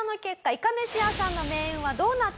いかめし屋さんの命運はどうなったのか？